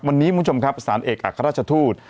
วันนี้มุมชมครับสารเอกอัฆราชทูต